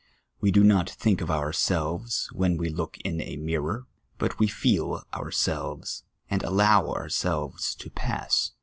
We do not think of our selves when Ave look in a miiTor, but we feel ourselves, and allow ourselves to pass.